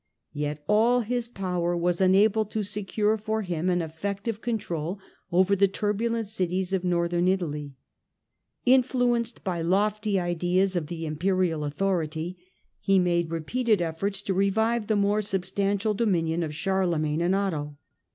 Yet all his power was unable to secure for him an effective control over the turbulent cities of Northern Italy. Influenced by lofty ideas of the Imperial authority, he made repeated efforts to revive the more substantial dominion of Charlemagne and Otho.